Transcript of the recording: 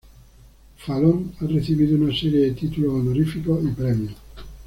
Fallon ha recibido una serie de títulos honoríficos y premios.